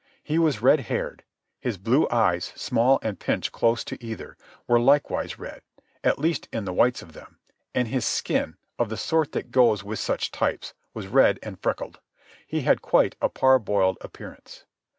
He was red haired. His blue eyes, small and pinched close together, were likewise red, at least in the whites of them; and his skin, of the sort that goes with such types, was red and freckled. He had quite a parboiled appearance.